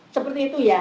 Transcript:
seperti itu ya